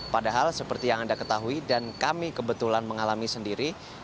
padahal seperti yang anda ketahui dan kami kebetulan mengalami sendiri